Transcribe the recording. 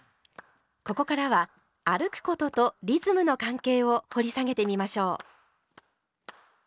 ここからは歩くこととリズムの関係を掘り下げてみましょう。